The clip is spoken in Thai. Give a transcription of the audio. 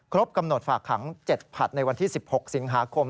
กำหนดฝากขัง๗ผัดในวันที่๑๖สิงหาคม